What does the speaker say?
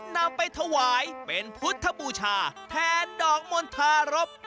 นำไปถวายเป็นพุทธบูชาแทนดอกมณฑารบ